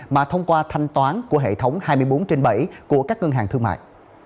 mà thông qua thanh toán của hệ thống hai mươi bốn trên bảy của các ngân hàng thương mại